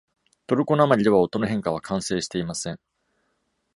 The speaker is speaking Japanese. トルコ訛りでは音の変化は完成していません。